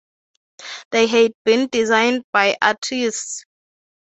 They had been designed by artists.